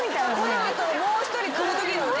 この後もう一人来るときのね。